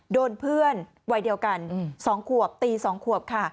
โดนเพื่อนวัยเดียวกัน๒ขวบตี๒ขวบค่ะ